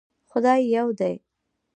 خدای يو دی